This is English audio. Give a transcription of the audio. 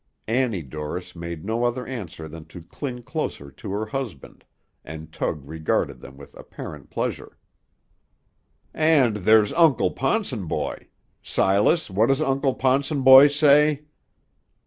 Annie Dorris made no other answer than to cling closer to her husband, and Tug regarded them with apparent pleasure. "And there's Uncle Ponsonboy. Silas, what does Uncle Ponsonboy say?"